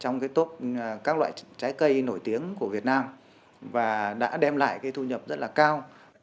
như các loại trái cây nổi tiếng của việt nam và đã đem lại cái thu nhập rất là cao